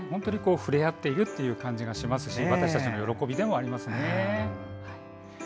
触れ合っているっていう感じがしますし私たちの喜びでもありますね。